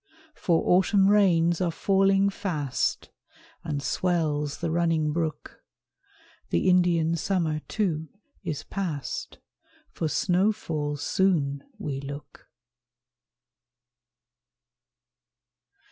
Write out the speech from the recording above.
For Autumn rains are falling fast, And swells the running brook; The Indian Summer, too, is past; For snowfall soon we look.